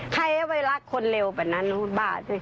ใครเอาไปรักคนเลวแบบนั้นบ้า